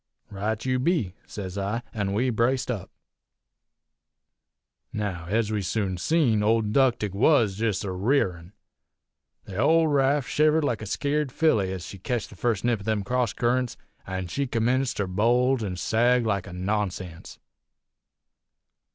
"'Right you be!' sez I. An' we braced up. "Now, ez we soon seen, old 'Ductic was jest a rearin'. The big raft shivered like a skeered filly ez she ketched the first nip of them cross currents, an' she commenced ter bulge an' sag like a nonsense.